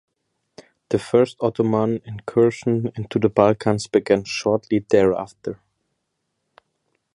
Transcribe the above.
The first Ottoman incursions into the Balkans began shortly thereafter.